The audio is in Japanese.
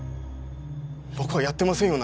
僕はやってませんよ